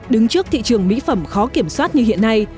đứng trước thị trường mỹ phẩm khó kiểm soát như hiện nay